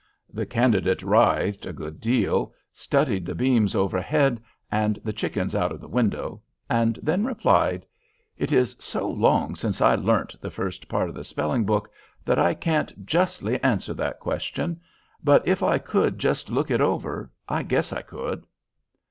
The candidate writhed a good deal, studied the beams overhead and the chickens out of the window, and then replied, "It is so long since I learnt the first part of the spelling book, that I can't justly answer that question. But if I could just look it over, I guess I could."